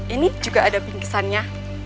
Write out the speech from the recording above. ini juga ada pingsannya